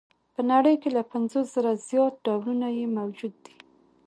په نړۍ کې له پنځوس زره څخه زیات ډولونه یې موجود دي.